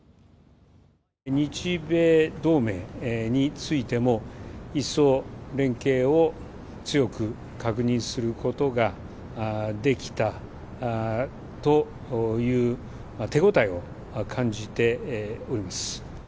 日米同盟についても、一層連携を強く確認することができたという手応えを感じておりま